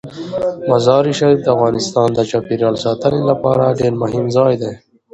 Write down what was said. مزارشریف د افغانستان د چاپیریال ساتنې لپاره ډیر مهم ځای دی.